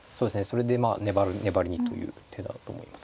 それでまあ粘りにという手だと思います。